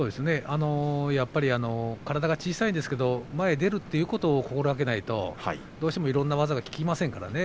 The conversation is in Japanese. やっぱり体が小さいですけど前に出るということを心がけないとどうしてもいろんな技が効きませんからね。